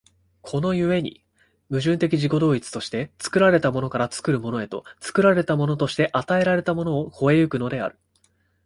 この故に矛盾的自己同一として、作られたものから作るものへと、作られたものとして与えられたものを越え行くのである。